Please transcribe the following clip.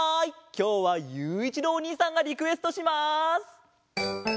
きょうはゆういちろうおにいさんがリクエストします。